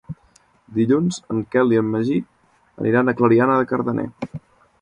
Dilluns en Quel i en Magí iran a Clariana de Cardener.